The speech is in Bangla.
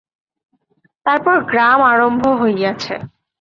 তারপর গ্রাম আরম্ভ হইয়াছে।